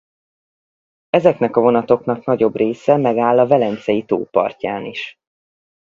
Ezeknek a vonatoknak nagyobb része megáll a Velencei-tó partján is.